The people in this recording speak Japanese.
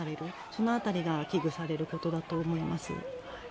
その辺りが危惧されることだと思います。